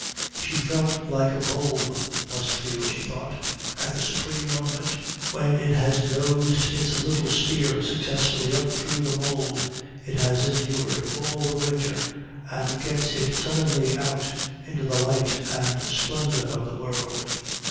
She felt like a bulb must feel, she thought, at the supreme moment when it has nosed its little spear successfully up through the mould it has endured all the winter and gets it suddenly out into the light and splendour of the world.